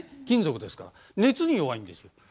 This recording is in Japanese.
金属ですから熱に弱いんですよ。